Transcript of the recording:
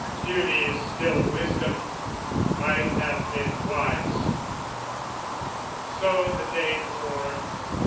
Duty is still "Wisdom: I have been wise." So the day wore.